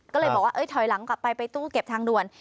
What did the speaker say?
ก็เลยบอกว่าถอยหลังกลับไปไปตู้เก็บทางด่วน